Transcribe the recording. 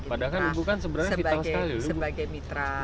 padahal ibu kan sebenarnya vital sekali